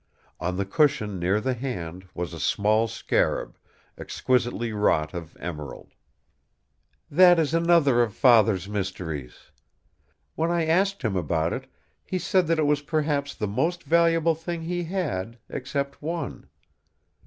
On the cushion near the hand was a small scarab, exquisitely wrought of emerald. "That is another of Father's mysteries. When I asked him about it he said that it was perhaps the most valuable thing he had, except one.